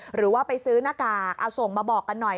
หรือว่าไปซื้อหน้ากากเอาส่งมาบอกกันหน่อย